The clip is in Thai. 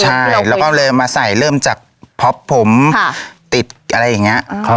ใช่แล้วก็เลยมาใส่เริ่มจากพ็อปผมติดอะไรอย่างนี้